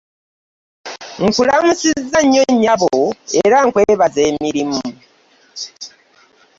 Nkulamusizza nnyo nyabo era nkwebaza emirimu.